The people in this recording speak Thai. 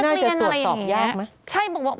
อันนั้นไม่น่าจะตรวจสอบยากไหม